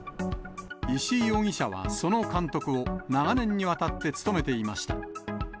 石井容疑者はその監督を、長年にわたって務めていました。